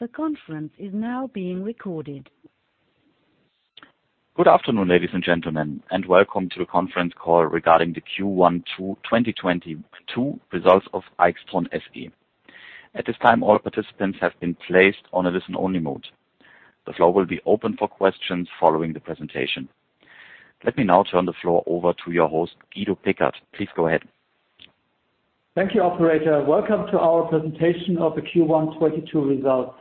The conference is now being recorded. Good afternoon, ladies and gentlemen, and welcome to the conference call regarding the Q1 2022 results of AIXTRON SE. At this time, all participants have been placed on a listen-only mode. The floor will be open for questions following the presentation. Let me now turn the floor over to your host, Guido Pickert. Please go ahead. Thank you, operator. Welcome to our presentation of the Q1 2022 results.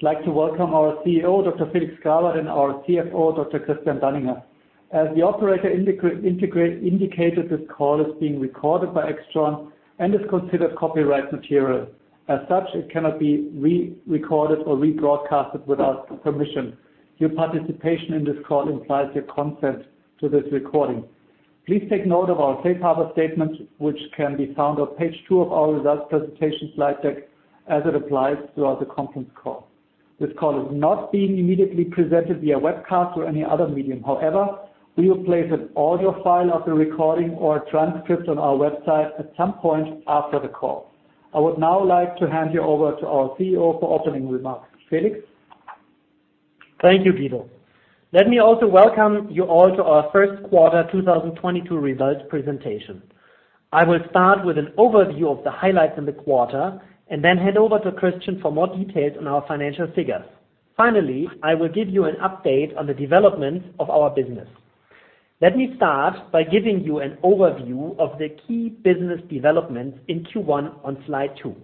I'd like to welcome our CEO, Dr. Felix Grawert and our CFO, Dr. Christian Danninger. As the operator indicated, this call is being recorded by AIXTRON and is considered copyright material. As such, it cannot be re-recorded or rebroadcast without permission. Your participation in this call implies your consent to this recording. Please take note of our safe harbor statement, which can be found on page two of our results presentation slide deck as it applies throughout the conference call. This call is not being immediately presented via webcast or any other medium. However, we will place an audio file of the recording or a transcript on our website at some point after the call. I would now like to hand you over to our CEO for opening remarks. Felix. Thank you, Guido. Let me also welcome you all to our first quarter 2022 results presentation. I will start with an overview of the highlights in the quarter, and then hand over to Christian for more details on our financial figures. Finally, I will give you an update on the developments of our business. Let me start by giving you an overview of the key business developments in Q1 on slide two.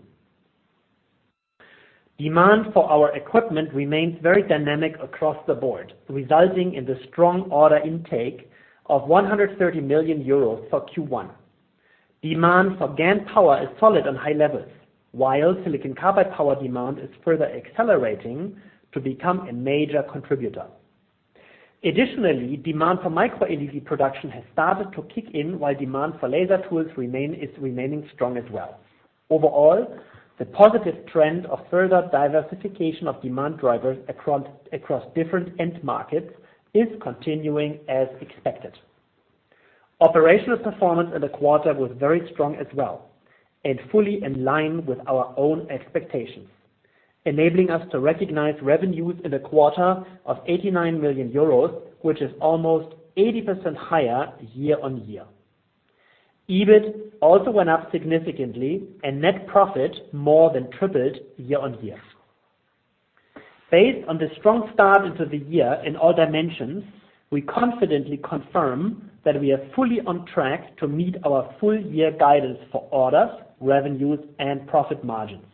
Demand for our equipment remains very dynamic across the board, resulting in the strong order intake of 130 million euros for Q1. Demand for GaN power is solid on high levels, while silicon carbide power demand is further accelerating to become a major contributor. Additionally, demand for Micro LED production has started to kick in while demand for laser tools is remaining strong as well. Overall, the positive trend of further diversification of demand drivers across different end markets is continuing as expected. Operational performance in the quarter was very strong as well, and fully in line with our own expectations, enabling us to recognize revenues in the quarter of 89 million euros, which is almost 80% higher year-on-year. EBIT also went up significantly, and net profit more than tripled year-on-year. Based on the strong start into the year in all dimensions, we confidently confirm that we are fully on track to meet our full year guidance for orders, revenues, and profit margins.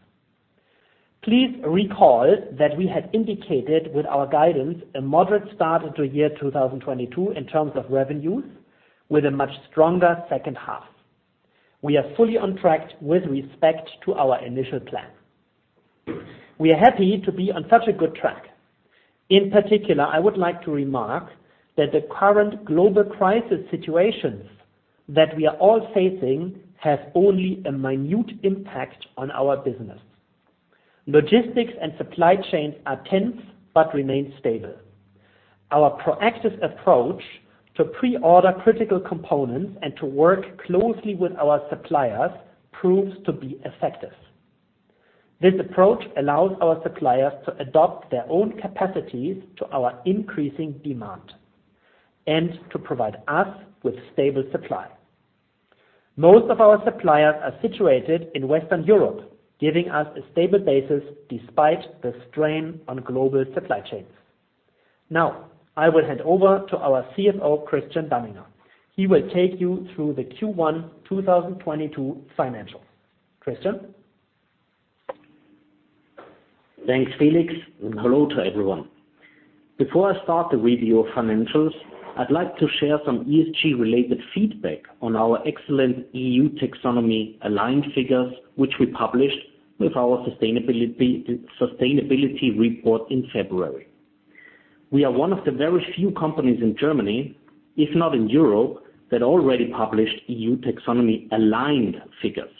Please recall that we had indicated with our guidance a moderate start to year 2022 in terms of revenues with a much stronger second half. We are fully on track with respect to our initial plan. We are happy to be on such a good track. In particular, I would like to remark that the current global crisis situations that we are all facing have only a minute impact on our business. Logistics and supply chains are tense but remain stable. Our proactive approach to pre-order critical components and to work closely with our suppliers proves to be effective. This approach allows our suppliers to adapt their own capacities to our increasing demand and to provide us with stable supply. Most of our suppliers are situated in Western Europe, giving us a stable basis despite the strain on global supply chains. Now I will hand over to our CFO, Christian Danninger. He will take you through the Q1 2022 financials. Christian. Thanks, Felix, and hello to everyone. Before I start the review of financials, I'd like to share some ESG related feedback on our excellent EU Taxonomy aligned figures, which we published with our sustainability report in February. We are one of the very few companies in Germany, if not in Europe, that already published EU Taxonomy aligned figures,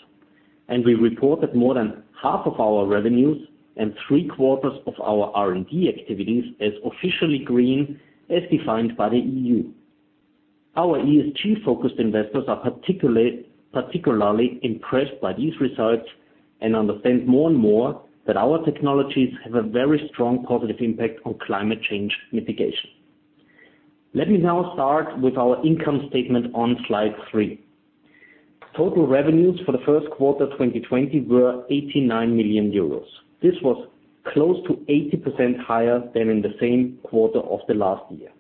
and we reported more than half of our revenues and three quarters of our R&D activities as officially green as defined by the E.U. Our ESG-focused investors are particularly impressed by these results and understand more and more that our technologies have a very strong positive impact on climate change mitigation. Let me now start with our income statement on slide three. Total revenues for the first quarter 2020 were 89 million euros. This was close to 80% higher than in the same quarter of the last year.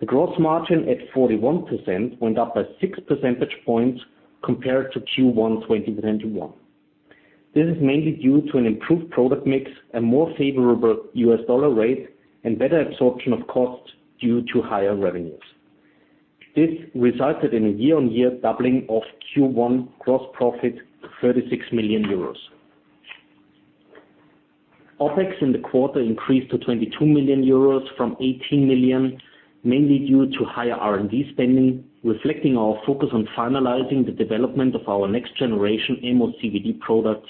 The gross margin at 41% went up by 6 percentage points compared to Q1 2021. This is mainly due to an improved product mix and more favorable US dollar rate and better absorption of costs due to higher revenues. This resulted in a year-on-year doubling of Q1 gross profit to 36 million euros. OpEx in the quarter increased to 22 million euros from 18 million, mainly due to higher R&D spending, reflecting our focus on finalizing the development of our next generation MOCVD products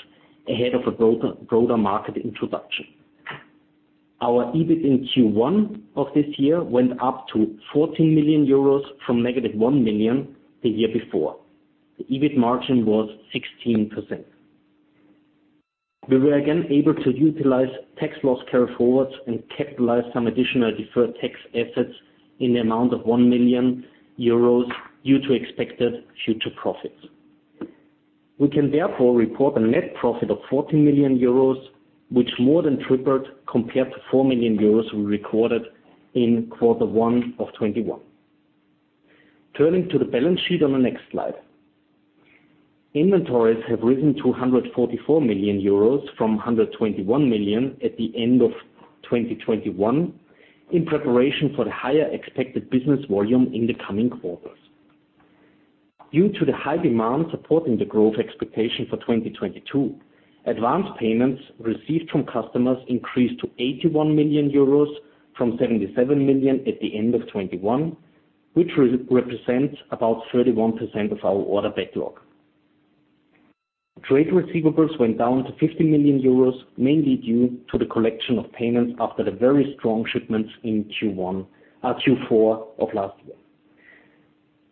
ahead of a broader market introduction. Our EBIT in Q1 of this year went up to 14 million euros from -1 million the year before. The EBIT margin was 16%. We were again able to utilize tax loss carry-forwards and capitalize some additional deferred tax assets in the amount of 1 million euros due to expected future profits. We can therefore report a net profit of 14 million euros, which more than tripled compared to 4 million euros we recorded in quarter one of 2021. Turning to the balance sheet on the next slide. Inventories have risen to 144 million euros from 121 million at the end of 2021, in preparation for the higher expected business volume in the coming quarters. Due to the high demand supporting the growth expectation for 2022, advanced payments received from customers increased to 81 million euros from 77 million at the end of 2021, which represents about 31% of our order backlog. Trade receivables went down to 50 million euros, mainly due to the collection of payments after the very strong shipments in Q1, Q4 of last year.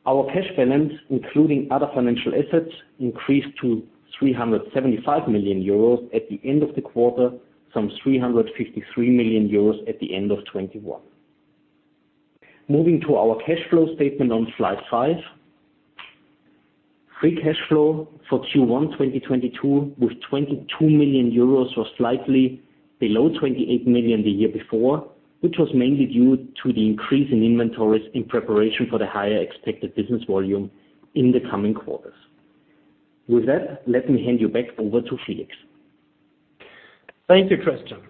Our cash balance, including other financial assets, increased to 375 million euros at the end of the quarter, from 353 million euros at the end of 2021. Moving to our cash flow statement on slide five. Free cash flow for Q1 2022 was 22 million euros, slightly below 28 million the year before, which was mainly due to the increase in inventories in preparation for the higher expected business volume in the coming quarters. With that, let me hand you back over to Felix. Thank you, Christian.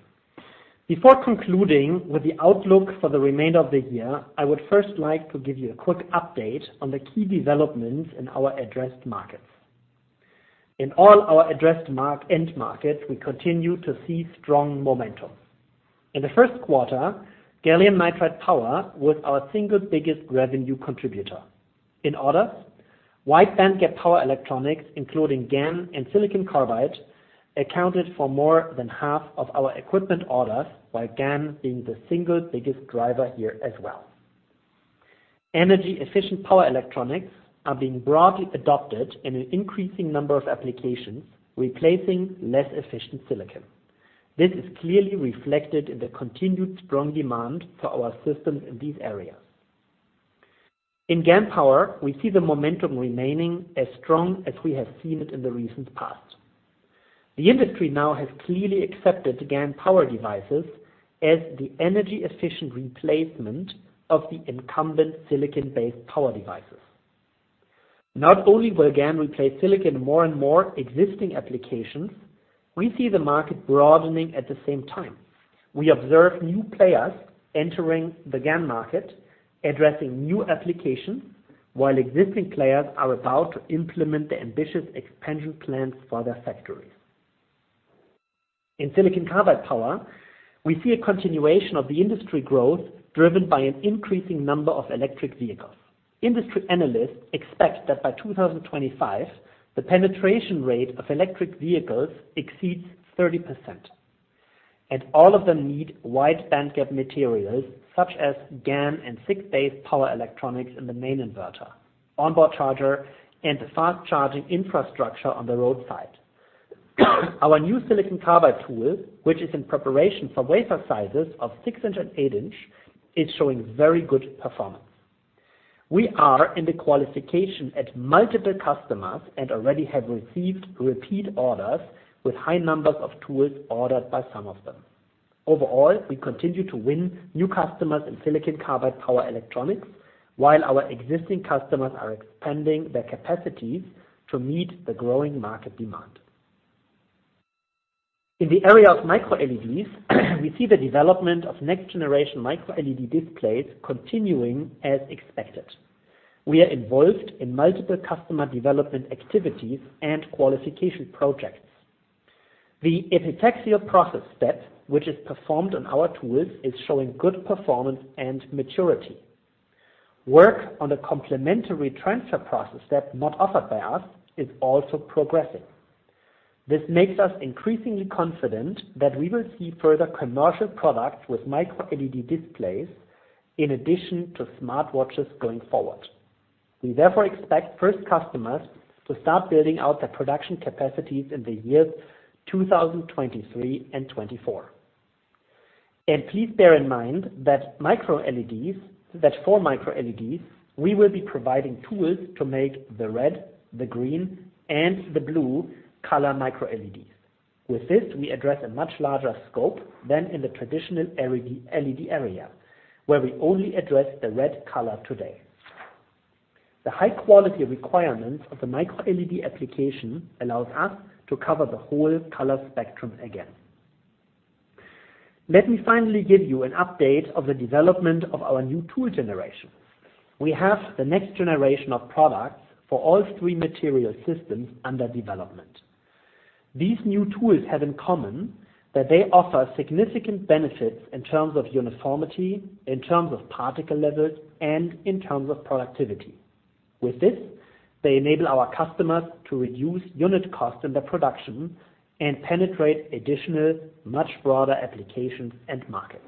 Before concluding with the outlook for the remainder of the year, I would first like to give you a quick update on the key developments in our addressed markets. In all our addressed end markets, we continue to see strong momentum. In the first quarter, gallium nitride power was our single biggest revenue contributor. In orders, wide bandgap power electronics, including GaN and silicon carbide, accounted for more than half of our equipment orders, with GaN being the single biggest driver here as well. Energy-efficient power electronics are being broadly adopted in an increasing number of applications, replacing less efficient silicon. This is clearly reflected in the continued strong demand for our systems in these areas. In GaN power, we see the momentum remaining as strong as we have seen it in the recent past. The industry now has clearly accepted GaN power devices as the energy efficient replacement of the incumbent silicon-based power devices. Not only will GaN replace silicon in more and more existing applications, we see the market broadening at the same time. We observe new players entering the GaN market, addressing new applications, while existing players are about to implement the ambitious expansion plans for their factories. In silicon carbide power, we see a continuation of the industry growth driven by an increasing number of electric vehicles. Industry analysts expect that by 2025, the penetration rate of electric vehicles exceeds 30%, and all of them need wide bandgap materials such as GaN and SiC-based power electronics in the main inverter, onboard charger, and fast-charging infrastructure on the roadside. Our new silicon carbide tool, which is in preparation for wafer sizes of 6-inch and 8-inch, is showing very good performance. We are in the qualification at multiple customers and already have received repeat orders with high numbers of tools ordered by some of them. Overall, we continue to win new customers in silicon carbide power electronics, while our existing customers are expanding their capacities to meet the growing market demand. In the area of Micro LEDs, we see the development of next-generation Micro LED displays continuing as expected. We are involved in multiple customer development activities and qualification projects. The epitaxial process step, which is performed on our tools, is showing good performance and maturity. Work on the complementary transfer process step, not offered by us, is also progressing. This makes us increasingly confident that we will see further commercial products with Micro LED displays in addition to smartwatches going forward. We therefore expect first customers to start building out their production capacities in the years 2023 and 2024. Please bear in mind that for Micro LEDs, we will be providing tools to make the red, the green, and the blue color Micro LEDs. With this, we address a much larger scope than in the traditional LED area, where we only address the red color today. The high quality requirements of the Micro LED application allows us to cover the whole color spectrum again. Let me finally give you an update of the development of our new tool generation. We have the next generation of products for all three material systems under development. These new tools have in common that they offer significant benefits in terms of uniformity, in terms of particle levels, and in terms of productivity. With this, they enable our customers to reduce unit cost in their production and penetrate additional, much broader applications and markets.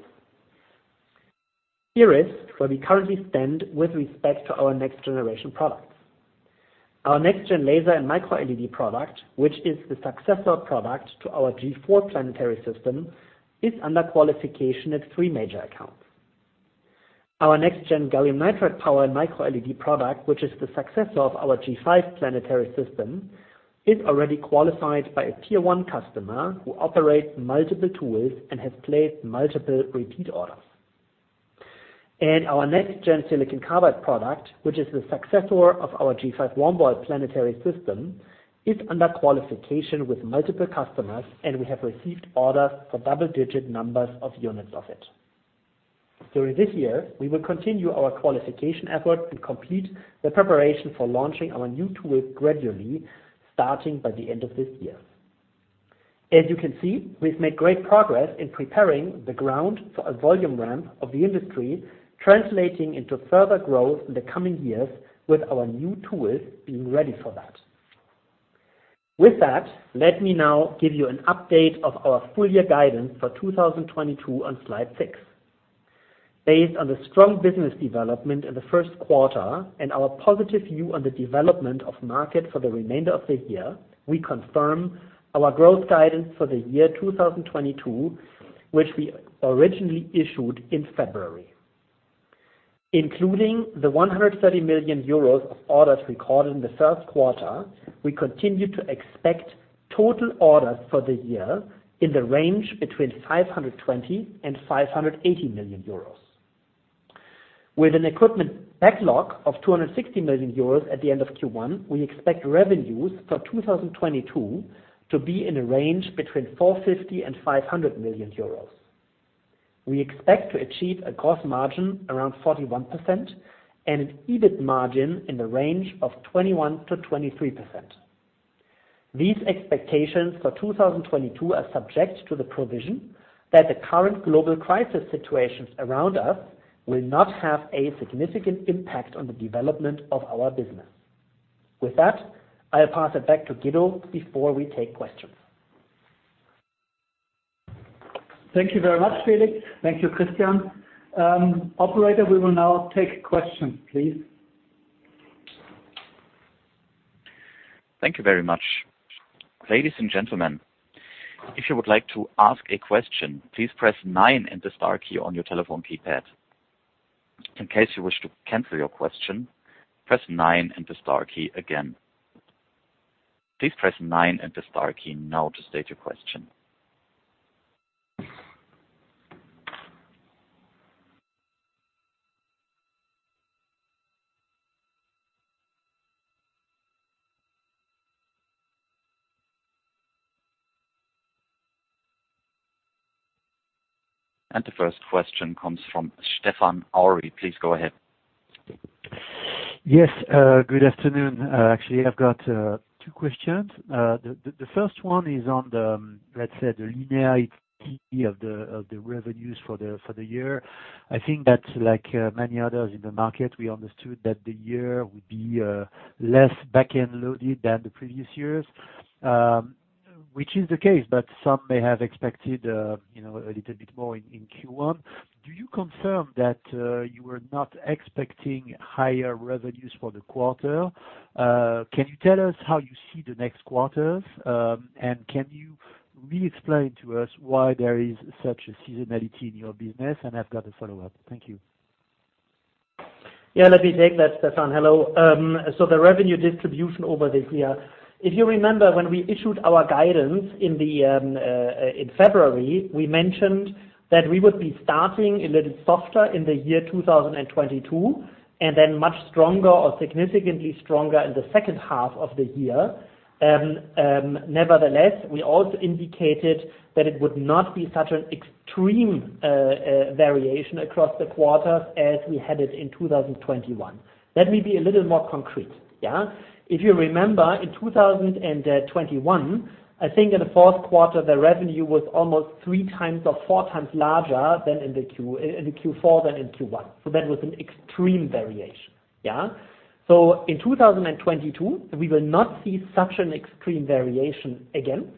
Here is where we currently stand with respect to our next generation products. Our next gen laser and Micro LED product, which is the successor product to our G4 planetary system, is under qualification at three major accounts. Our next gen gallium nitride power Micro LED product, which is the successor of our G5 planetary system, is already qualified by a tier one customer who operates multiple tools and has placed multiple repeat orders. Our next gen silicon carbide product, which is the successor of our G5 1-ball planetary system, is under qualification with multiple customers, and we have received orders for double-digit numbers of units of it. During this year, we will continue our qualification effort and complete the preparation for launching our new tools gradually, starting by the end of this year. As you can see, we've made great progress in preparing the ground for a volume ramp of the industry, translating into further growth in the coming years with our new tools being ready for that. With that, let me now give you an update of our full year guidance for 2022 on slide six. Based on the strong business development in the first quarter and our positive view on the development of market for the remainder of the year, we confirm our growth guidance for the year 2022, which we originally issued in February. Including the 130 million euros of orders recorded in the first quarter, we continue to expect total orders for the year in the range between 520 million and 580 million euros. With an equipment backlog of 260 million euros at the end of Q1, we expect revenues for 2022 to be in a range between 450 million and 500 million euros. We expect to achieve a gross margin around 41% and an EBIT margin in the range of 21%-23%. These expectations for 2022 are subject to the provision that the current global crisis situations around us will not have a significant impact on the development of our business. With that, I'll pass it back to Guido before we take questions. Thank you very much, Felix. Thank you, Christian. Operator, we will now take questions, please. Thank you very much. Ladies and gentlemen, if you would like to ask a question, please press nine and the star key on your telephone keypad. In case you wish to cancel your question, press nine and the star key again. Please press nine and the star key now to state your question. The first question comes from Stéphane Houri. Please go ahead. Yes. Good afternoon. Actually, I've got two questions. The first one is on the, let's say, the linearity of the revenues for the year. I think that like many others in the market, we understood that the year would be less back-end loaded than the previous years, which is the case, but some may have expected, you know, a little bit more in Q1. Do you confirm that you were not expecting higher revenues for the quarter? Can you tell us how you see the next quarters? And can you re-explain to us why there is such a seasonality in your business? I've got a follow-up. Thank you. Let me take that, Stéphane. Hello. So the revenue distribution over this year, if you remember when we issued our guidance in February, we mentioned that we would be starting a little softer in the year 2022, and then much stronger or significantly stronger in the second half of the year. Nevertheless, we also indicated that it would not be such an extreme variation across the quarters as we had it in 2021. Let me be a little more concrete, yeah. If you remember, in 2021, I think in the fourth quarter, the revenue was almost 3x or 4x larger than in Q1. That was an extreme variation. Yeah? In 2022, we will not see such an extreme variation again.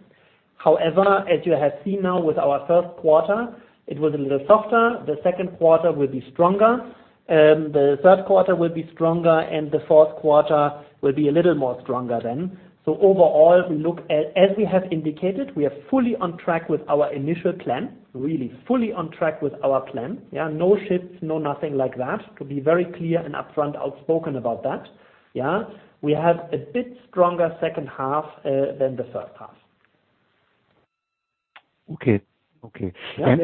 However, as you have seen now with our first quarter, it was a little softer. The second quarter will be stronger. The third quarter will be stronger, and the fourth quarter will be a little more stronger than. Overall, as we have indicated, we are fully on track with our initial plan. Really, fully on track with our plan. Yeah. No shifts, no nothing like that. To be very clear and upfront, outspoken about that. Yeah. We have a bit stronger second half than the first half. Okay. Okay. Yeah.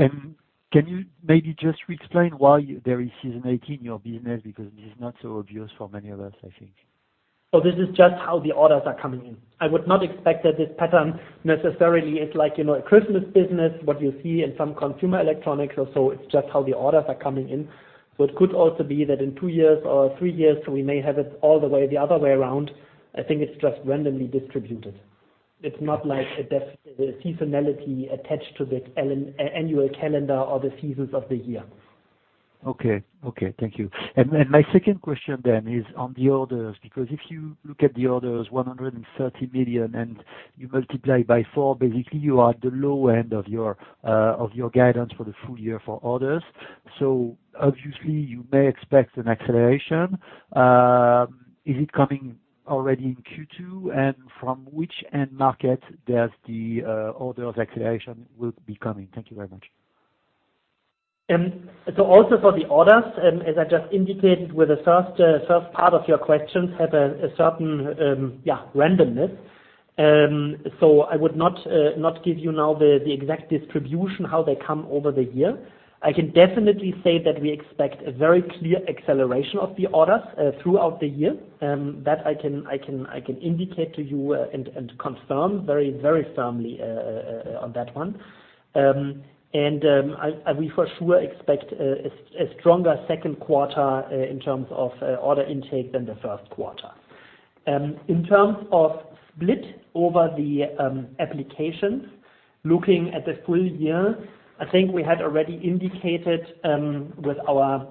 Can you maybe just re-explain why there is seasonality in your business? Because it is not so obvious for many of us, I think. This is just how the orders are coming in. I would not expect that this pattern necessarily is like, you know, a Christmas business, what you see in some consumer electronics or so. It's just how the orders are coming in. It could also be that in two years or three years, we may have it all the way, the other way around. I think it's just randomly distributed. It's not like a definite seasonality attached to the annual calendar or the seasons of the year. Okay. Thank you. My second question then is on the orders, because if you look at the orders, 130 million and you multiply by four, basically you are at the low end of your guidance for the full year for orders. Obviously you may expect an acceleration. Is it coming already in Q2? From which end market does the orders acceleration will be coming? Thank you very much. Also for the orders, as I just indicated with the first part of your question, have a certain randomness. I would not give you now the exact distribution, how they come over the year. I can definitely say that we expect a very clear acceleration of the orders throughout the year. That I can indicate to you and confirm very firmly on that one. We for sure expect a stronger second quarter in terms of order intake than the first quarter. In terms of split over the applications, looking at the full year, I think we had already indicated with our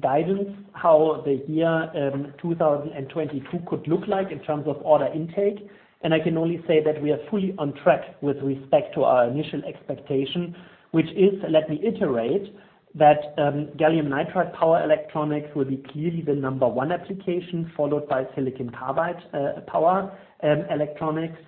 guidance how the year 2022 could look like in terms of order intake. I can only say that we are fully on track with respect to our initial expectation, which is, let me iterate, that gallium nitride power electronics will be clearly the number one application, followed by silicon carbide power electronics.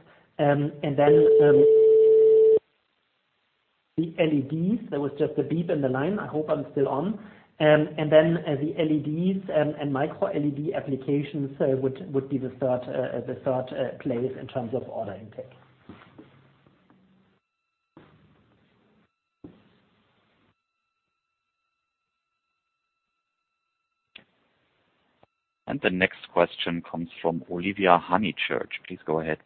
Then the LEDs. There was just a beep in the line. I hope I'm still on. Then the LEDs and Micro LED applications would be the third place in terms of order intake. The next question comes from Olivia Honeychurch. Please go ahead.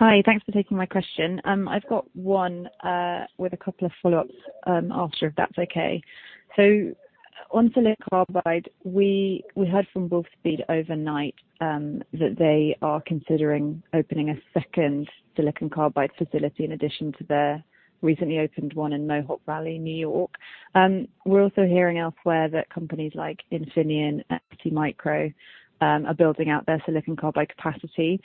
Hi. Thanks for taking my question. I've got one with a couple of follow-ups after, if that's okay. On silicon carbide, we heard from Wolfspeed overnight that they are considering opening a second silicon carbide facility in addition to their recently opened one in Mohawk Valley, New York. We're also hearing elsewhere that companies like Infineon and STMicroelectronics are building out their silicon carbide capacity.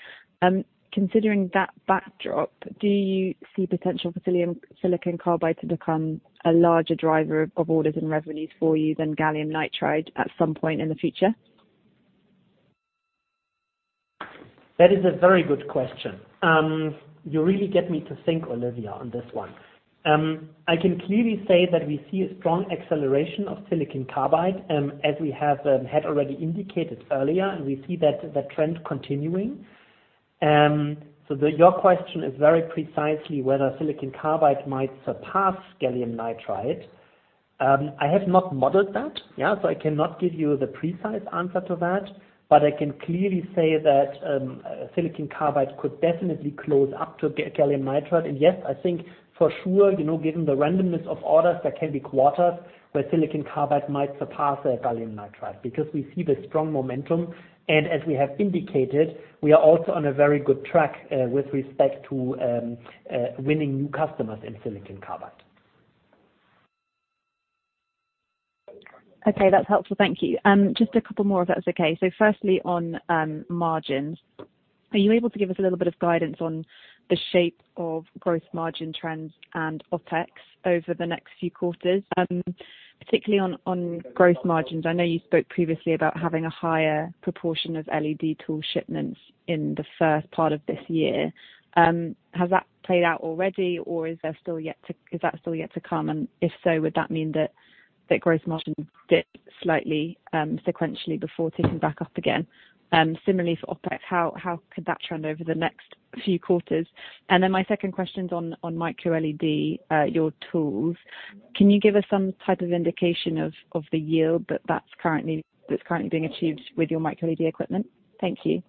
Considering that backdrop, do you see potential for silicon carbide to become a larger driver of orders and revenues for you than gallium nitride at some point in the future? That is a very good question. You really get me to think, Olivia, on this one. I can clearly say that we see a strong acceleration of silicon carbide, as we have had already indicated earlier, and we see that trend continuing. Your question is very precisely whether silicon carbide might surpass gallium nitride. I have not modeled that, yeah, so I cannot give you the precise answer to that. I can clearly say that silicon carbide could definitely close up to gallium nitride. Yes, I think for sure, you know, given the randomness of orders, there can be quarters where silicon carbide might surpass the gallium nitride because we see the strong momentum. As we have indicated, we are also on a very good track with respect to winning new customers in silicon carbide. Okay. That's helpful. Thank you. Just a couple more if that's okay. Firstly, on margins. Are you able to give us a little bit of guidance on the shape of gross margin trends and OpEx over the next few quarters? Particularly on gross margins, I know you spoke previously about having a higher proportion of LED tool shipments in the first part of this year. Has that played out already or is that still yet to come? And if so, would that mean that gross margin dip slightly, sequentially before ticking back up again? Similarly for OpEx, how could that trend over the next few quarters? And then my second question is on Micro LED, your tools. Can you give us some type of indication of the yield that's currently being achieved with your Micro LED equipment? Thank you.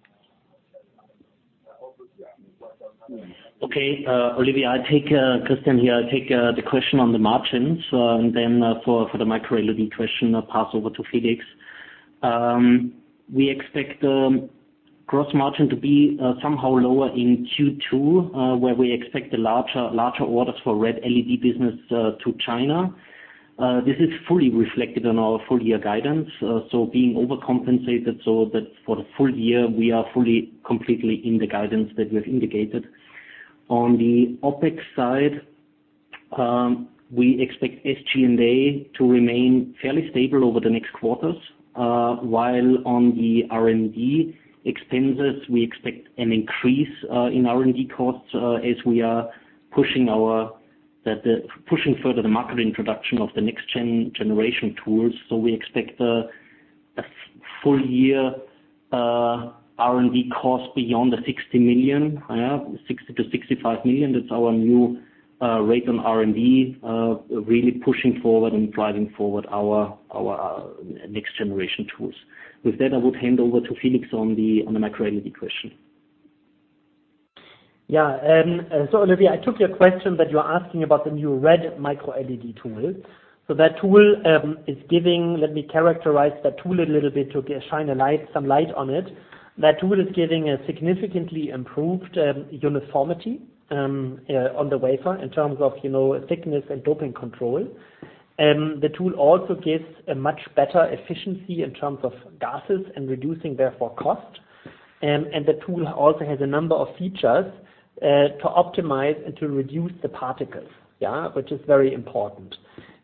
Okay. Olivia, it's Christian here. I'll take the question on the margins, and then, for the Micro LED question, I'll pass over to Felix. We expect gross margin to be somehow lower in Q2, where we expect the larger orders for red LED business to China. This is fully reflected in our full year guidance, so being overcompensated so that for the full year, we are fully, completely in the guidance that we've indicated. On the OpEx side, we expect SG&A to remain fairly stable over the next quarters, while on the R&D expenses, we expect an increase in R&D costs, as we are pushing further the market introduction of the next-generation tools. We expect a full year R&D cost beyond the 60 million. 60 million-65 million, that's our new rate on R&D, really pushing forward and driving forward our next generation tools. With that, I would hand over to Felix on the Micro LED question. Olivia, I took your question that you're asking about the new red Micro LED tool. Let me characterize that tool a little bit to shine a light on it. That tool is giving a significantly improved uniformity on the wafer in terms of, you know, thickness and doping control. The tool also gives a much better efficiency in terms of gases and reducing therefore cost. The tool also has a number of features to optimize and to reduce the particles, which is very important.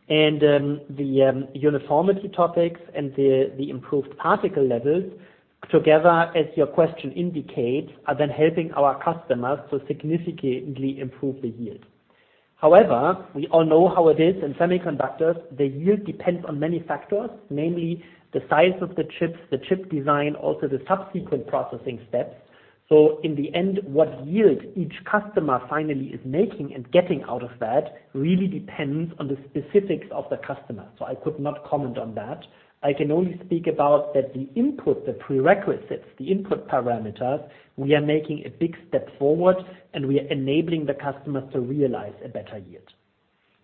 The uniformity topics and the improved particle levels together, as your question indicates, are then helping our customers to significantly improve the yield. However, we all know how it is in semiconductors. The yield depends on many factors, namely the size of the chips, the chip design, also the subsequent processing steps. In the end, what yield each customer finally is making and getting out of that really depends on the specifics of the customer. I could not comment on that. I can only speak about that the input, the prerequisites, the input parameters, we are making a big step forward, and we are enabling the customers to realize a better yield.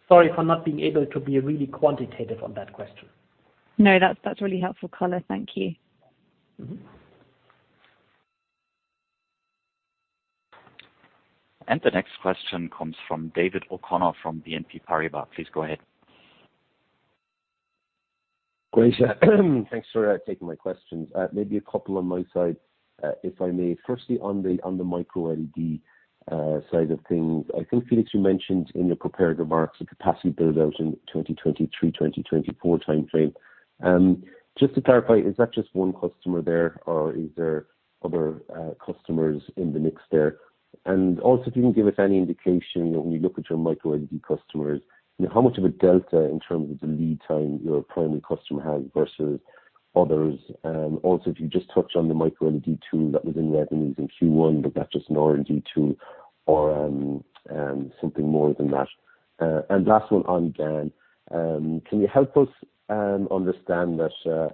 Sorry for not being able to be really quantitative on that question. No, that's really helpful color. Thank you. Mm-hmm. The next question comes from David O'Connor from BNP Paribas. Please go ahead. Great. Thanks for taking my questions. Maybe a couple on my side, if I may. Firstly, on the Micro LED side of things. I think, Felix, you mentioned in your prepared remarks a capacity build-out in 2023, 2024 timeframe. Just to clarify, is that just one customer there, or is there other customers in the mix there? Also, if you can give us any indication when you look at your Micro LED customers, how much of a delta in terms of the lead time your primary customer has versus others? Also, if you just touch on the Micro LED tool that was in revenues in Q1, was that just an R&D tool or something more than that? Last one on GaN. Can you help us understand that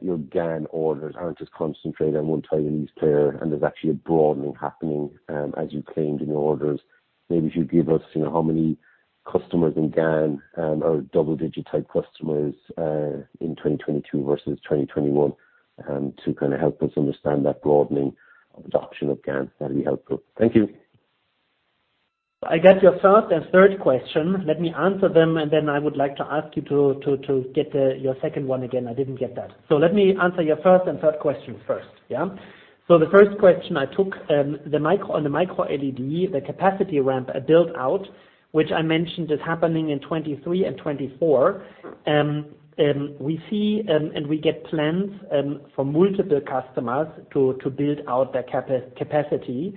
your GaN orders aren't just concentrated on one Taiwanese player, and there's actually a broadening happening as you claimed in your orders? Maybe if you give us, you know, how many customers in GaN are double-digit type customers in 2022 versus 2021 to kind of help us understand that broadening of adoption of GaN, that'd be helpful. Thank you. I got your first and third question. Let me answer them, and then I would like to ask you to get your second one again. I didn't get that. Let me answer your first and third question first. Yeah. The first question I took on the Micro LED, the capacity ramp build-out, which I mentioned is happening in 2023 and 2024. We see and we get plans from multiple customers to build out their capacity.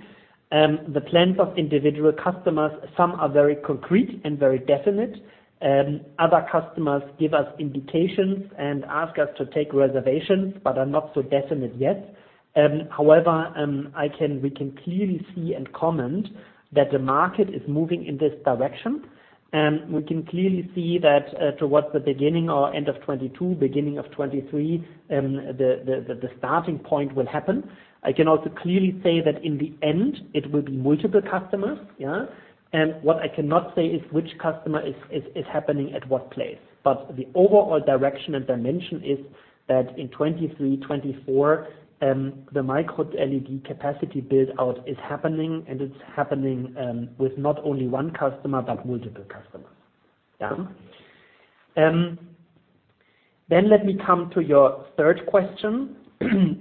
The plans of individual customers, some are very concrete and very definite. Other customers give us indications and ask us to take reservations but are not so definite yet. However, we can clearly see and comment that the market is moving in this direction. We can clearly see that, towards the beginning or end of 2022, beginning of 2023, the starting point will happen. I can also clearly say that in the end, it will be multiple customers. Yeah. What I cannot say is which customer is happening at what place. The overall direction and dimension is that in 2023, 2024, the Micro LED capacity build-out is happening, and it's happening, with not only one customer but multiple customers. Yeah. Let me come to your third question.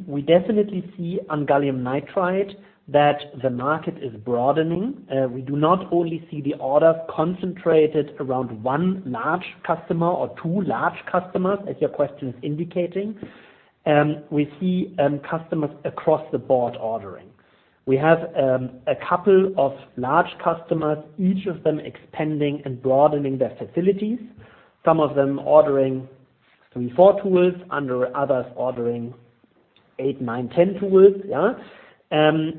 We definitely see on gallium nitride that the market is broadening. We do not only see the orders concentrated around one large customer or two large customers, as your question is indicating. We see customers across the board ordering. We have a couple of large customers, each of them expanding and broadening their facilities, some of them ordering three, four tools, and there are others ordering eight, nine, 10 tools. Yeah.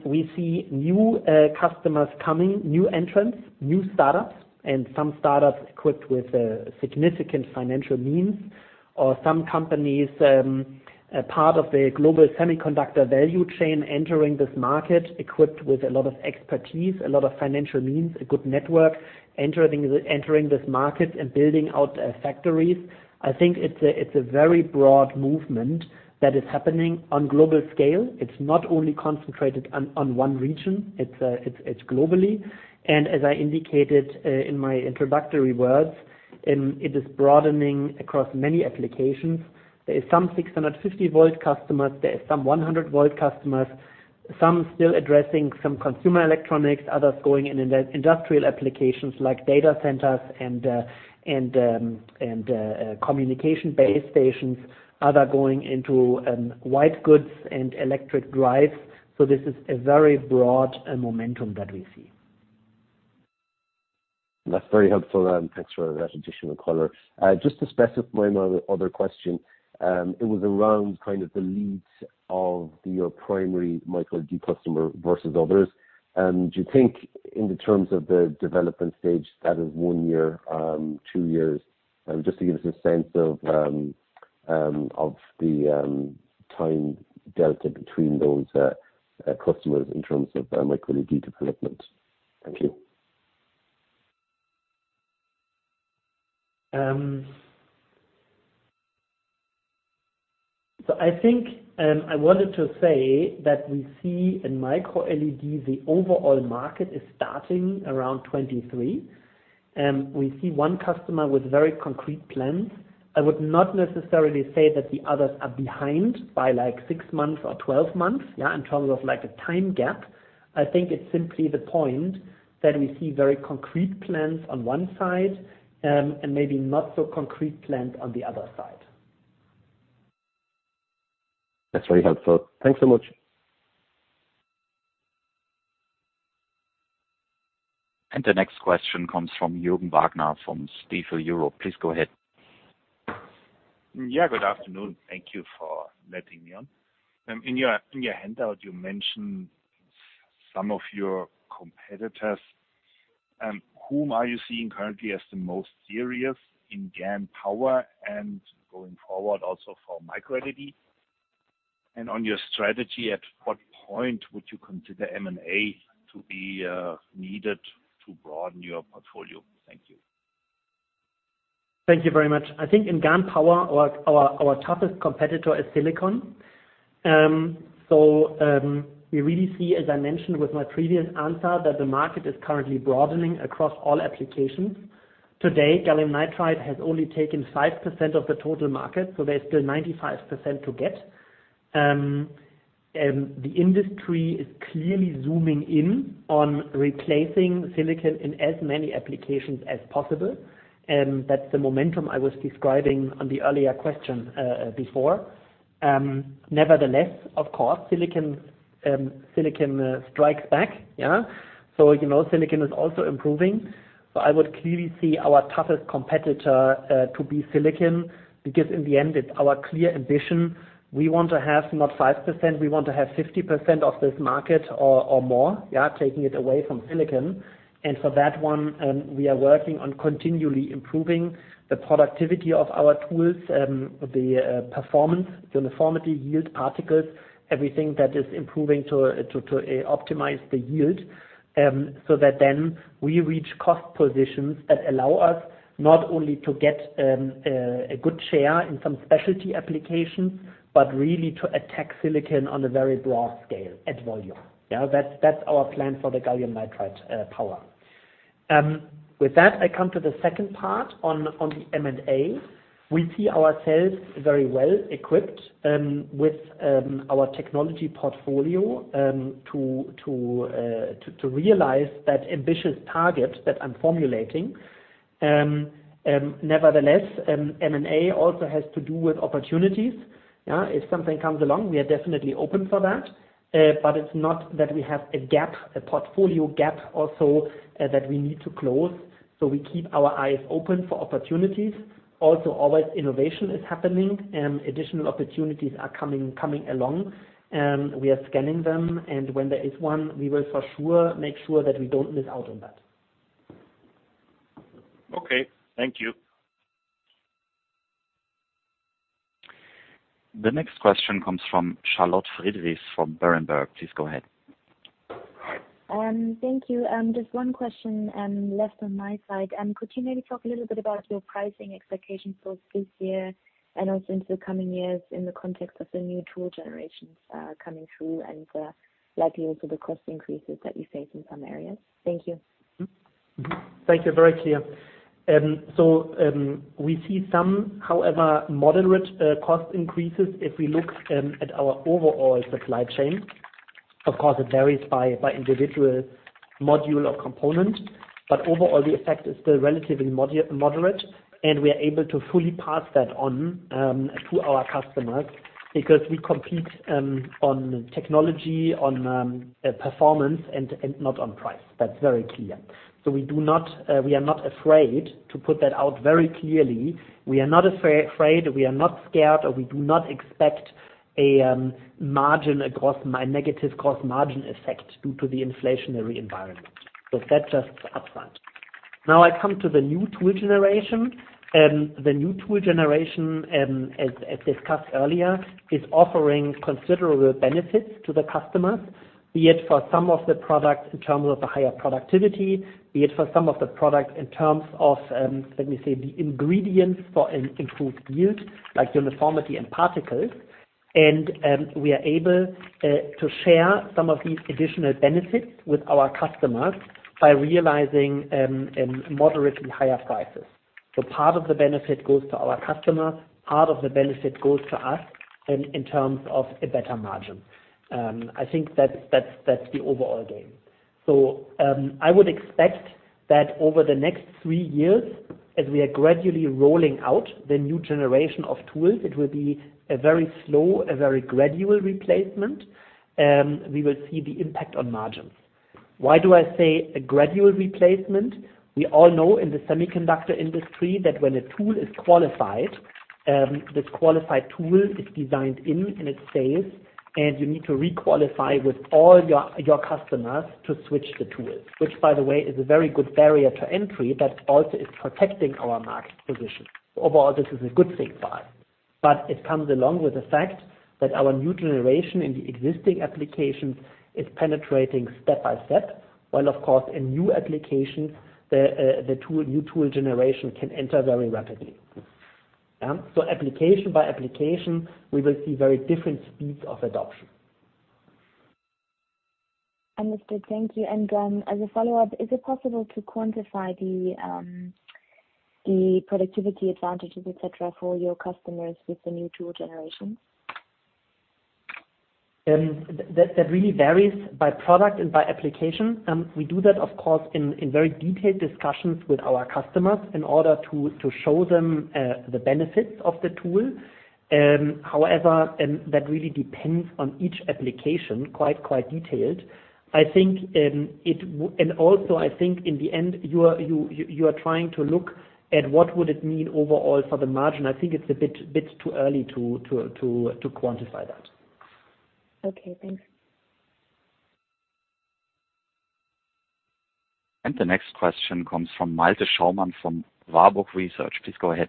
We see new customers coming, new entrants, new startups, and some startups equipped with significant financial means, or some companies a part of a global semiconductor value chain entering this market equipped with a lot of expertise, a lot of financial means, a good network, entering this market and building out factories. I think it's a very broad movement that is happening on global scale. It's not only concentrated on one region. It's globally. As I indicated in my introductory words, it is broadening across many applications. There is some 650 volt customers, there is some 100 volt customers, some still addressing some consumer electronics, others going in industrial applications like data centers and communication base stations, other going into white goods and electric drives. This is a very broad momentum that we see. That's very helpful, and thanks for that additional color. Just to specify my other question, it was around kind of the leads of your primary Micro LED customer versus others. Do you think in the terms of the development stage, that is one year, two years? Just to give us a sense of the time delta between those customers in terms of Micro LED development. Thank you. I think I wanted to say that we see in Micro LED, the overall market is starting around 2023. We see one customer with very concrete plans. I would not necessarily say that the others are behind by like six months or 12 months, yeah, in terms of like a time gap. I think it's simply the point that we see very concrete plans on one side, and maybe not so concrete plans on the other side. That's very helpful. Thanks so much. The next question comes from Jürgen Wagner from Stifel Europe. Please go ahead. Yeah, good afternoon. Thank you for letting me on. In your handout, you mentioned some of your competitors. Whom are you seeing currently as the most serious in GaN power and going forward also for Micro LED? On your strategy, at what point would you consider M&A to be needed to broaden your portfolio? Thank you. Thank you very much. I think in GaN power, our toughest competitor is silicon. We really see, as I mentioned with my previous answer, that the market is currently broadening across all applications. Today, gallium nitride has only taken 5% of the total market, so there's still 95% to get. The industry is clearly zooming in on replacing silicon in as many applications as possible, and that's the momentum I was describing on the earlier question before. Nevertheless, of course, silicon strikes back. Yeah. You know, silicon is also improving. I would clearly see our toughest competitor to be silicon, because in the end, it's our clear ambition. We want to have not 5%, we want to have 50% of this market or more, yeah, taking it away from silicon. For that one, we are working on continually improving the productivity of our tools, the performance, uniformity, yield, particles, everything that is improving to optimize the yield, so that then we reach cost positions that allow us not only to get a good share in some specialty applications, but really to attack silicon on a very broad scale at volume. Yeah, that's our plan for the gallium nitride power. With that, I come to the second part on the M&A. We see ourselves very well equipped with our technology portfolio to realize that ambitious target that I'm formulating. Nevertheless, M&A also has to do with opportunities. Yeah. If something comes along, we are definitely open for that. It's not that we have a gap, a portfolio gap also, that we need to close. We keep our eyes open for opportunities. Also, always innovation is happening, additional opportunities are coming along, we are scanning them, and when there is one, we will for sure make sure that we don't miss out on that. Okay. Thank you. The next question comes from Charlotte Friedrichs from Berenberg. Please go ahead. Thank you. Just one question left on my side. Could you maybe talk a little bit about your pricing expectations for this year and also into the coming years in the context of the new tool generations coming through and likely also the cost increases that you face in some areas? Thank you. Thank you. Very clear. We see some, however, moderate cost increases if we look at our overall supply chain. Of course, it varies by individual module or component, but overall the effect is still relatively moderate, and we are able to fully pass that on to our customers because we compete on technology, on performance and not on price. That's very clear. We do not, we are not afraid to put that out very clearly. We are not afraid. We are not scared, or we do not expect a margin erosion, any negative cost margin effect due to the inflationary environment. That's just upfront. Now I come to the new tool generation. The new tool generation, as discussed earlier, is offering considerable benefits to the customers, be it for some of the products in terms of the higher productivity, be it for some of the products in terms of, let me say, the ingredients for an improved yield, like uniformity and particles. We are able to share some of these additional benefits with our customers by realizing, moderately higher prices. Part of the benefit goes to our customers, part of the benefit goes to us, in terms of a better margin. I think that's the overall gain. I would expect that over the next three years, as we are gradually rolling out the new generation of tools, it will be a very slow, a very gradual replacement. We will see the impact on margins. Why do I say a gradual replacement? We all know in the semiconductor industry that when a tool is qualified, this qualified tool is designed in and it stays, and you need to re-qualify with all your customers to switch the tools, which by the way is a very good barrier to entry, but also is protecting our market position. Overall, this is a good thing for us. It comes along with the fact that our new generation in the existing applications is penetrating step by step. While of course, in new applications, the tool, new tool generation can enter very rapidly. Application by application, we will see very different speeds of adoption. Understood. Thank you. As a follow-up, is it possible to quantify the productivity advantages, et cetera, for your customers with the new tool generations? That really varies by product and by application. We do that, of course, in very detailed discussions with our customers in order to show them the benefits of the tool. However, that really depends on each application, quite detailed. I think and also I think in the end, you are trying to look at what would it mean overall for the margin. I think it's a bit too early to quantify that. Okay, thanks. The next question comes from Malte Schaumann from Warburg Research. Please go ahead.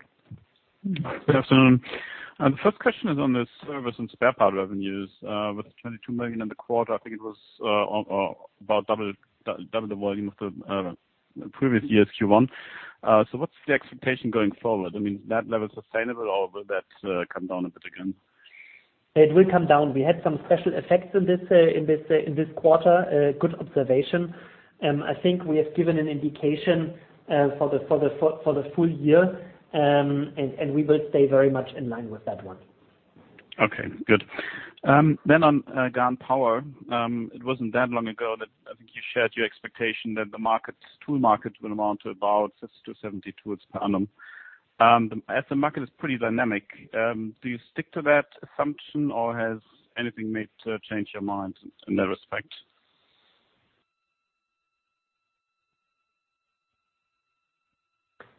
Good afternoon. The first question is on the service and spare part revenues, with 22 million in the quarter. I think it was about double the volume of the previous year's Q1. What's the expectation going forward? I mean, is that level sustainable or will that come down a bit again? It will come down. We had some special effects in this quarter. Good observation. I think we have given an indication for the full year. We will stay very much in line with that one. Okay, good. On GaN power, it wasn't that long ago that I think you shared your expectation that the market's tool markets will amount to about 60-70 tools per annum. As the market is pretty dynamic, do you stick to that assumption, or has anything made you change your mind in that respect?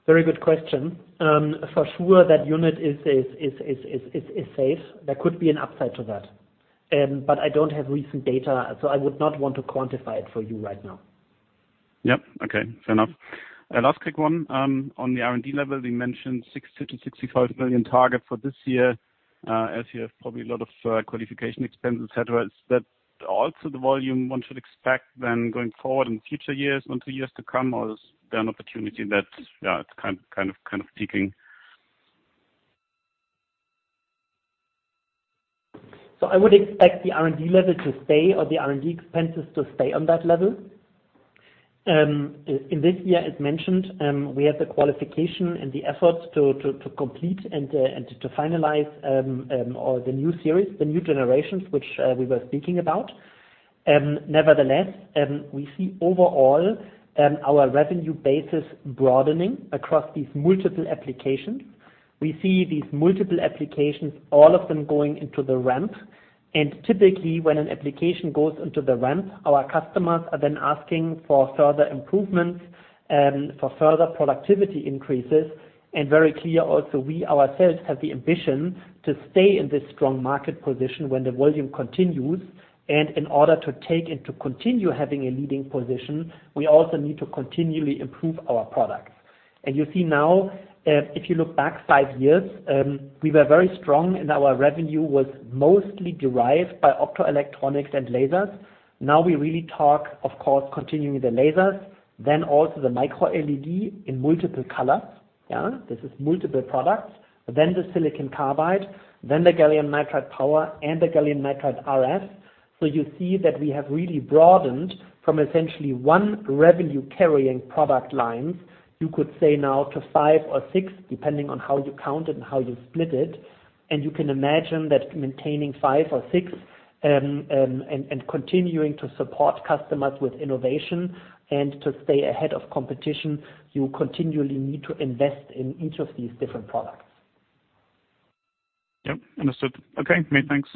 Very good question. For sure that unit is safe. There could be an upside to that. I don't have recent data, so I would not want to quantify it for you right now. Yep. Okay. Fair enough. A last quick one, on the R&D level, you mentioned 60 million-65 million target for this year, as you have probably a lot of, qualification expense, et cetera. Is that also the volume one should expect then going forward in future years, one, two years to come, or is there an opportunity that, yeah, it's kind of peaking? I would expect the R&D level to stay or the R&D expenses to stay on that level. In this year, as mentioned, we have the qualification and the efforts to complete and to finalize all the new series, the new generations which we were speaking about. Nevertheless, we see overall our revenue basis broadening across these multiple applications. We see these multiple applications, all of them going into the ramp. Typically, when an application goes into the ramp, our customers are then asking for further improvements for further productivity increases. Very clear also, we ourselves have the ambition to stay in this strong market position when the volume continues. In order to take and to continue having a leading position, we also need to continually improve our products. You see now, if you look back five years, we were very strong and our revenue was mostly derived by optoelectronics and lasers. Now we really talk, of course, continuing the lasers, then also the Micro LED in multiple colors. Yeah, this is multiple products. Then the silicon carbide, then the gallium nitride power and the gallium nitride RF. You see that we have really broadened from essentially one revenue-carrying product lines, you could say now to five or six, depending on how you count it and how you split it. You can imagine that maintaining five or six, and continuing to support customers with innovation and to stay ahead of competition, you continually need to invest in each of these different products. Yep. Understood. Okay. Many thanks.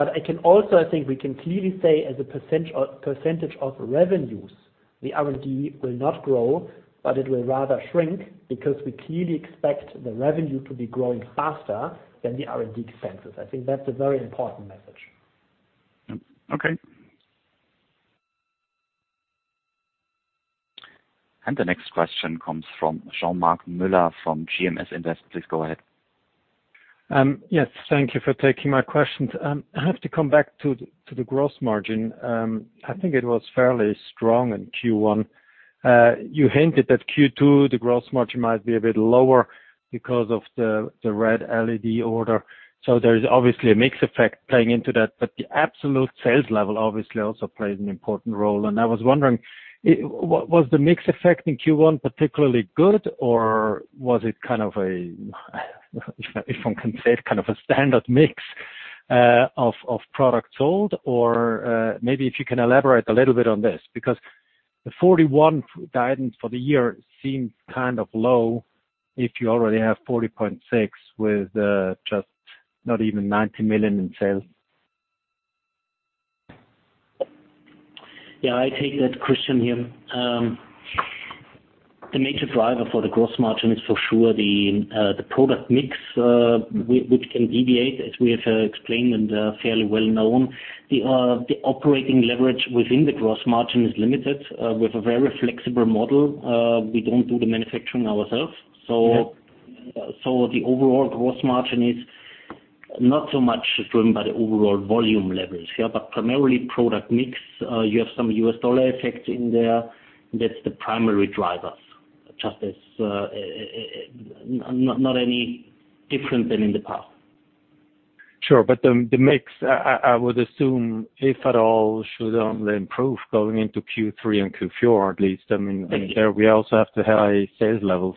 I can also, I think we can clearly say as a percentage of revenues, the R&D will not grow, but it will rather shrink because we clearly expect the revenue to be growing faster than the R&D expenses. I think that's a very important message. Yep. Okay. The next question comes from Jean-Marc Muller from JMS Investment. Please go ahead. Yes, thank you for taking my questions. I have to come back to the gross margin. I think it was fairly strong in Q1. You hinted that Q2, the gross margin might be a bit lower because of the red LED order. There is obviously a mix effect playing into that, but the absolute sales level obviously also plays an important role. I was wondering, was the mix effect in Q1 particularly good, or was it kind of a, if one can say, kind of a standard mix of products sold? Or maybe if you can elaborate a little bit on this. Because the 41% guidance for the year seems kind of low if you already have 40.6% with just not even 90 million in sales. Yeah, I take that question here. The major driver for the gross margin is for sure the product mix, which can deviate, as we have explained and fairly well known. The operating leverage within the gross margin is limited with a very flexible model. We don't do the manufacturing ourselves. Yep. The overall gross margin is. Not so much driven by the overall volume levels here, but primarily product mix. You have some US dollar effects in there. That's the primary drivers, just as, not any different than in the past. Sure. The mix I would assume, if at all, should only improve going into Q3 and Q4 at least. I mean. Thank you. We also have to have high sales levels.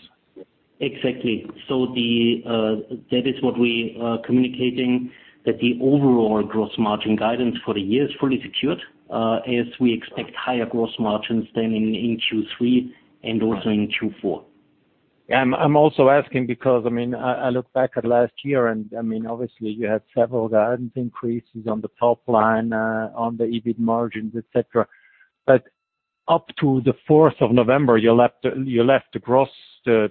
Exactly. That is what we are communicating, that the overall gross margin guidance for the year is fully secured, as we expect higher gross margins than in Q3 and also in Q4. Yeah. I'm also asking because, I mean, I look back at last year and, I mean, obviously you had several guidance increases on the top line, on the EBIT margins, et cetera. Up to the 4th of November, you left the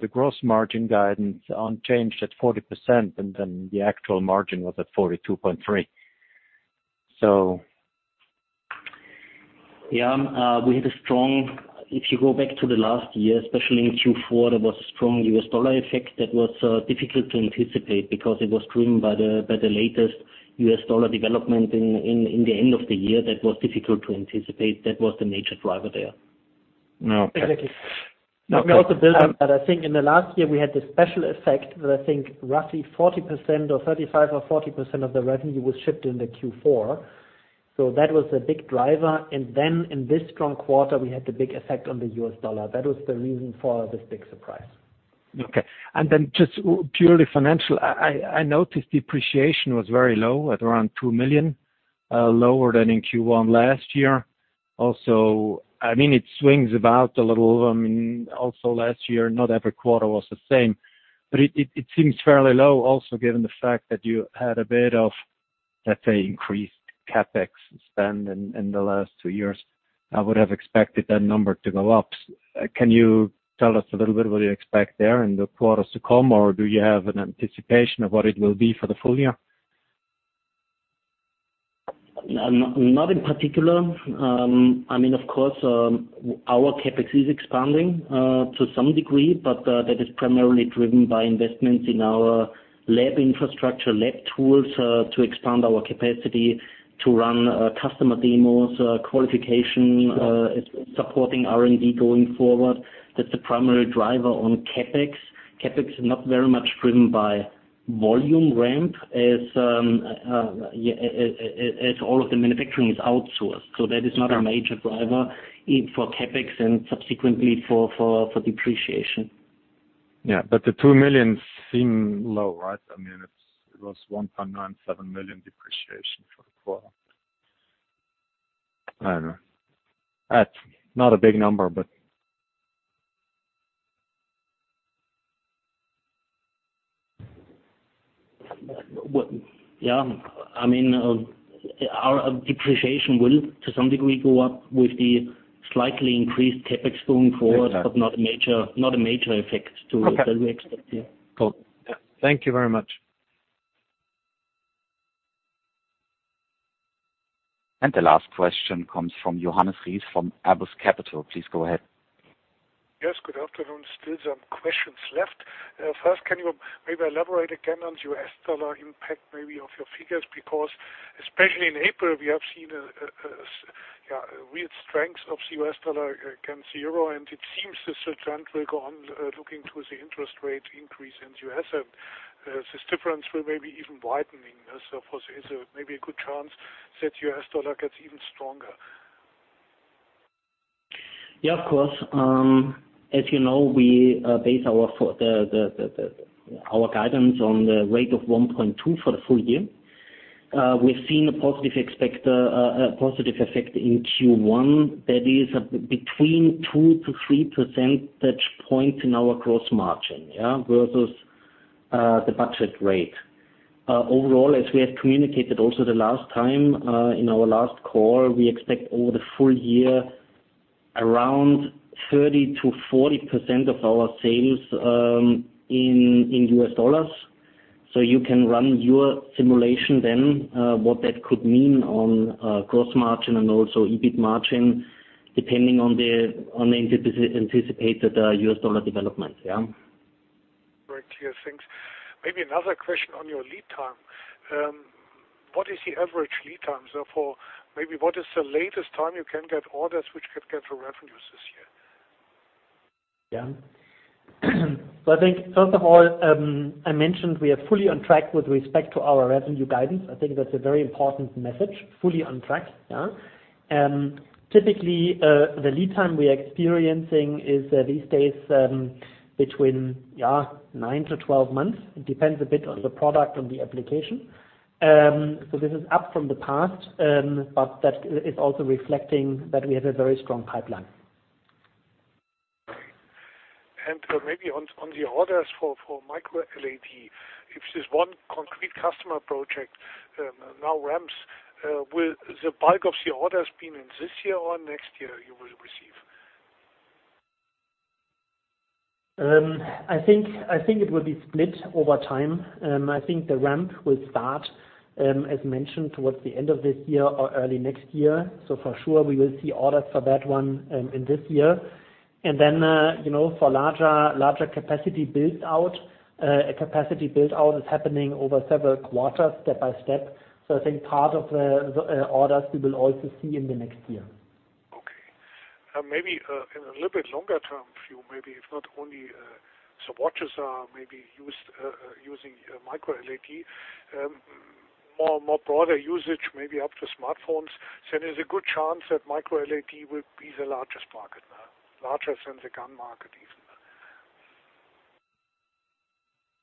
gross margin guidance unchanged at 40%, and then the actual margin was at 42.3%. So. If you go back to the last year, especially in Q4, there was a strong US dollar effect that was difficult to anticipate because it was driven by the latest US dollar development in the end of the year that was difficult to anticipate. That was the major driver there. Okay. Exactly. Okay. Let me also build on that. I think in the last year we had the special effect that I think roughly 40% or 35% or 40% of the revenue was shipped in the Q4. That was a big driver. Then in this strong quarter, we had the big effect on the US dollar. That was the reason for this big surprise. Okay. Then just purely financial, I noticed depreciation was very low at around 2 million, lower than in Q1 last year. Also, I mean, it swings about a little. I mean, also last year, not every quarter was the same, but it seems fairly low also given the fact that you had a bit of, let's say, increased CapEx spend in the last two years. I would have expected that number to go up. Can you tell us a little bit what you expect there in the quarters to come, or do you have an anticipation of what it will be for the full year? Not in particular. I mean, of course, our CapEx is expanding to some degree, but that is primarily driven by investments in our lab infrastructure, lab tools to expand our capacity to run customer demos, qualification. Sure. Supporting R&D going forward. That's the primary driver on CapEx. CapEx is not very much driven by volume ramp as all of the manufacturing is outsourced. Sure. That is not a major driver in for CapEx and subsequently for depreciation. Yeah, the 2 million seem low, right? I mean, it was 1.97 million depreciation for the quarter. I don't know. It's not a big number, but Well, yeah. I mean, our depreciation will to some degree go up with the slightly increased CapEx going forward. Exactly. not a major effect to Okay. that we expect, yeah. Cool. Thank you very much. The last question comes from Johannes Ries from Apus Capital. Please go ahead. Yes, good afternoon. Still some questions left. First, can you maybe elaborate again on US dollar impact maybe of your figures? Because especially in April, we have seen a weird strength of US dollar against euro, and it seems this trend will go on, looking to the interest rate increase in U.S. This difference may be even widening. Of course, there is maybe a good chance that US dollar gets even stronger. Yeah, of course. As you know, we base our guidance on the rate of 1.2 for the full year. We've seen a positive effect in Q1 that is between 2-3 percentage points in our gross margin versus the budget rate. Overall, as we have communicated also the last time in our last call, we expect over the full year around 30%-40% of our sales in US dollars. You can run your simulation then, what that could mean on gross margin and also EBIT margin depending on the anticipated US dollar development. Very clear. Thanks. Maybe another question on your lead time. What is the average lead time so far? Maybe what is the latest time you can get orders which could get your revenues this year? I think first of all, I mentioned we are fully on track with respect to our revenue guidance. I think that's a very important message. Fully on track. Typically, the lead time we are experiencing is these days between nine-12 months. It depends a bit on the product, on the application. This is up from the past, but that is also reflecting that we have a very strong pipeline. Maybe on the orders for Micro LED, if this one concrete customer project now ramps, will the bulk of the orders be in this year or next year you will receive? I think it will be split over time. I think the ramp will start. As mentioned towards the end of this year or early next year. For sure we will see orders for that one in this year. You know, for larger capacity build out, a capacity build out is happening over several quarters step by step. I think part of the orders we will also see in the next year. Okay. Maybe in a little bit longer term view, maybe if not only, watches are maybe used using Micro LED. More broader usage may be up to smartphones. There's a good chance that Micro LED will be the largest market now, larger than the GaN market even.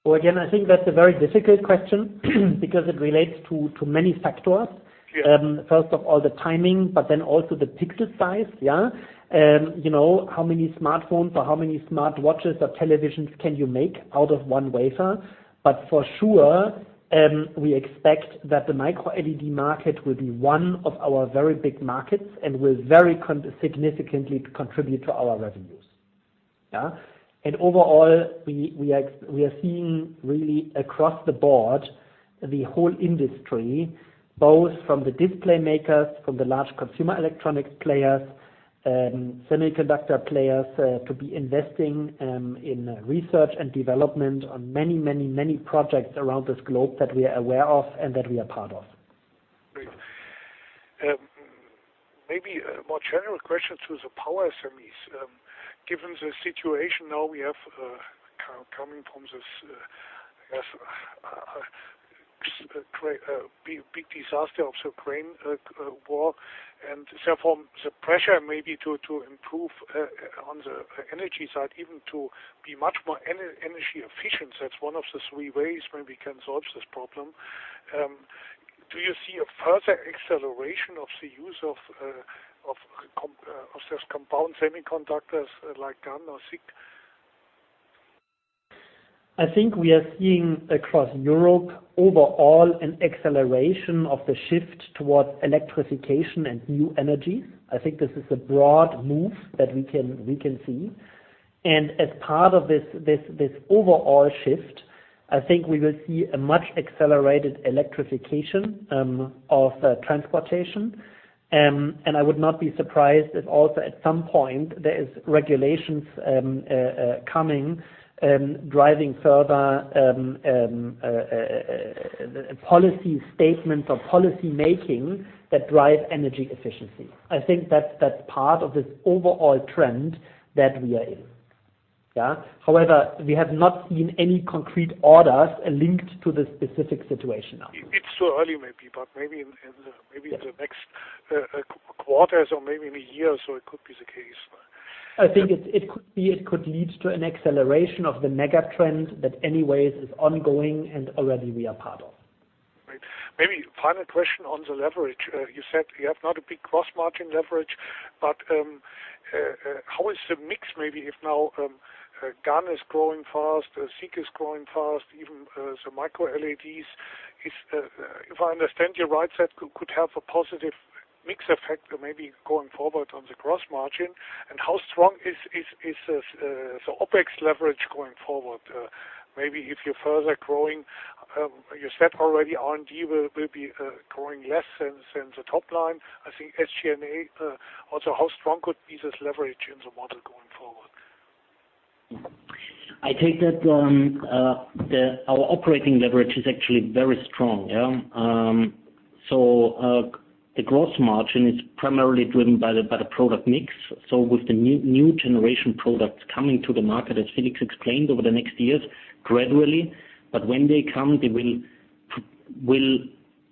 Well, again, I think that's a very difficult question because it relates to many factors. Sure. First of all, the timing, but then also the pixel size. You know, how many smartphones or how many smartwatches or televisions can you make out of one wafer? For sure, we expect that the Micro LED market will be one of our very big markets and will significantly contribute to our revenues. Overall, we are seeing really across the board, the whole industry, both from the display makers, from the large consumer electronics players, semiconductor players, to be investing in research and development on many projects around this globe that we are aware of and that we are part of. Great. Maybe a more general question to the power semis. Given the situation now we have, coming from this, I guess, big disaster of the Ukraine war, and therefore the pressure maybe to improve on the energy side, even to be much more energy efficient. That's one of the three ways where we can solve this problem. Do you see a further acceleration of the use of these compound semiconductors like GaN or SiC? I think we are seeing across Europe overall an acceleration of the shift towards electrification and new energies. I think this is a broad move that we can see. As part of this overall shift, I think we will see a much accelerated electrification of transportation. I would not be surprised if also at some point there is regulations coming driving further policy statements or policy making that drive energy efficiency. I think that's part of this overall trend that we are in. Yeah. However, we have not seen any concrete orders linked to this specific situation now. It's too early maybe, but maybe in the next quarters or maybe in a year or so it could be the case. I think it could lead to an acceleration of the mega trend that anyways is ongoing and already we are part of. Right. Maybe final question on the leverage. You said you have not a big gross margin leverage, but how is the mix maybe if now GaN is growing fast SiC is growing fast even the Micro LED is if I understand you right that could have a positive mix effect maybe going forward on the gross margin. How strong is the OpEx leverage going forward? Maybe if you're further growing you said already R&D will be growing less than the top line. I think SG&A also how strong could be this leverage in the model going forward? I take that our operating leverage is actually very strong. Yeah. The gross margin is primarily driven by the product mix. With the new generation products coming to the market, as Felix explained, over the next years gradually. When they come, they will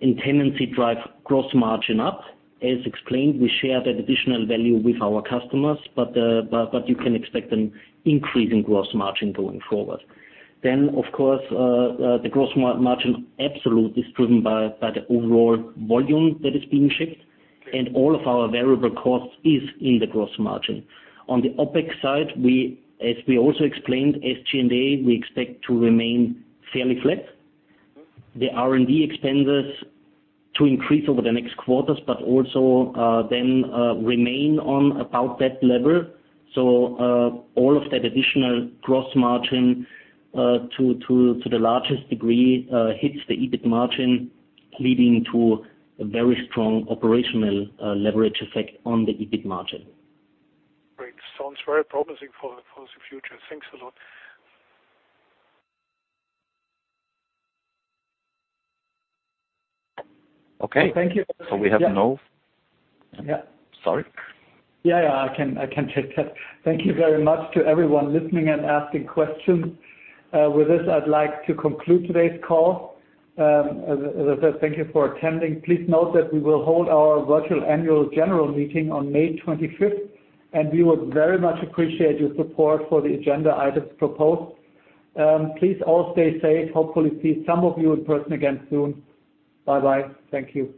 in tendency drive gross margin up. As explained, we share that additional value with our customers, but you can expect an increasing gross margin going forward. Of course, the gross margin absolute is driven by the overall volume that is being shipped, and all of our variable costs is in the gross margin. On the OpEx side, as we also explained, SG&A, we expect to remain fairly flat. The R&D expenses to increase over the next quarters, but also, then, remain on about that level. All of that additional gross margin, to the largest degree, hits the EBIT margin, leading to a very strong operational leverage effect on the EBIT margin. Great. Sounds very promising for the future. Thanks a lot. Okay. Thank you. We have no. Yeah. Sorry. Yeah. I can take that. Thank you very much to everyone listening and asking questions. With this, I'd like to conclude today's call. As I said, thank you for attending. Please note that we will hold our virtual annual general meeting on May 25th, and we would very much appreciate your support for the agenda items proposed. Please all stay safe. Hopefully see some of you in person again soon. Bye-bye. Thank you.